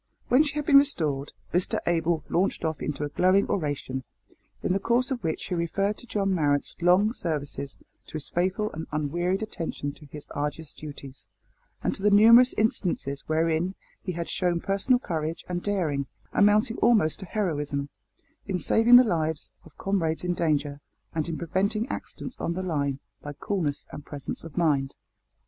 When she had been restored, Mr Abel launched off into a glowing oration, in the course of which he referred to John Marrot's long services, to his faithful and unwearied attention to his arduous duties, and to the numerous instances wherein he had shown personal courage and daring, amounting almost to heroism, in saving the lives of comrades in danger, and in preventing accidents on the line by coolness and presence of mind.